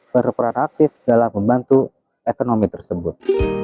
berperan aktif dalam membantu ekonomi tersebut